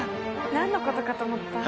何のことかと思った。